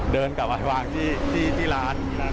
เดินกลับมาวางที่ร้าน